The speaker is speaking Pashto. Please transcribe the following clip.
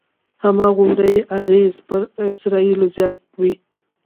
هماغومره یې اغېز پر اسرایلو زیات وي.